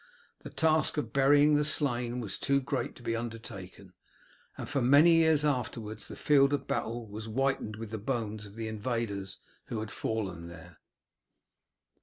The task of burying the slain was too great to be undertaken, and for many years afterwards the field of battle was whitened with the bones of the invaders who had fallen there.